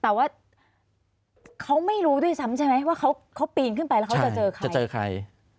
แต่ว่าเขาไม่รู้ด้วยซ้ำใช่ไหมว่าเขาปีนขึ้นไปแล้วเขาจะเจอใครจะเจอใคร